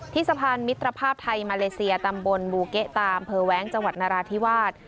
สะพานมิตรภาพไทยมาเลเซียตำบลบูเกะตามอำเภอแว้งจังหวัดนราธิวาส